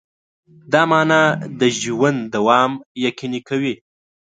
دا مانا د ژوند دوام یقیني کوي.